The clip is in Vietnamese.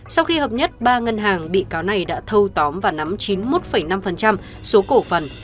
sau khi hợp nhất ba ngân hàng bị cáo này đã thâu tóm và nắm chín mươi một năm số cổ phần